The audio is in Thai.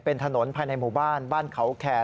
เป็นถนนภายในหมู่บ้านบ้านเขาแคร์